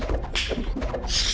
jangan kerjakan empat puluh tujuh tahun